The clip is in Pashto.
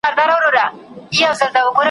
د ابليس د اولادونو شيطانانو `